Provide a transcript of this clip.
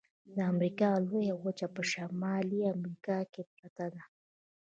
د امریکا لویه وچه په شمالي امریکا کې پرته ده.